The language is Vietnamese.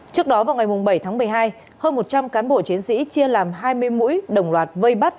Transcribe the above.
trước đó vào ngày bảy tháng một mươi hai hơn một trăm linh cán bộ chiến sĩ chia làm hai mươi mũi đồng loạt vây bắt